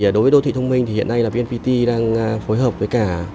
đối với đô thị thông minh hiện nay bnpt đang phối hợp với cả